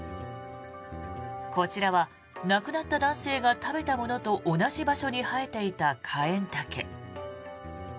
こちらは亡くなった男性が食べたものと同じ場所に生えていたカエンタケ。